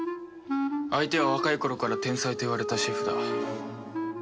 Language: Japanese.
相手は若い頃から天才といわれたシェフだ。